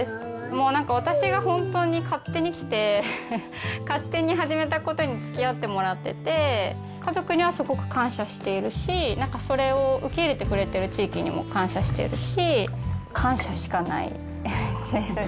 もうなんか、私が本当に勝手に来て、勝手に始めたことにつきあってもらってて、家族にはすごく感謝しているし、なんかそれを受け入れてくれてる地域にも感謝しているし、感謝しかないです。